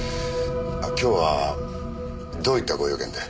今日はどういったご用件で？